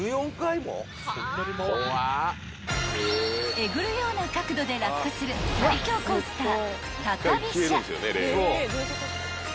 ［えぐるような角度で落下する最強コースター］